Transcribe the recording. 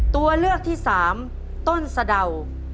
ตัวเลือกที่สามต้นสะเดา